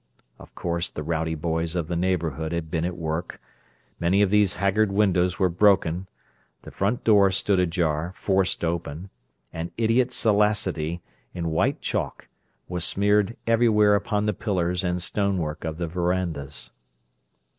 Of course the rowdy boys of the neighbourhood had been at work: many of these haggard windows were broken; the front door stood ajar, forced open; and idiot salacity, in white chalk, was smeared everywhere upon the pillars and stonework of the verandas.